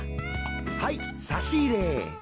はい差し入れ。